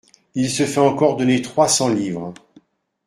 Il se fait encore donner trois cents livres.